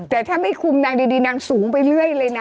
แต่ถ้าไม่คุมนางดีนางสูงไปเรื่อยเลยนะ